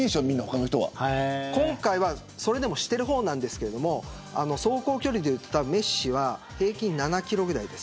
今回はそれでもしてる方なんですけど走行距離で言ったらメッシは平均７キロくらいです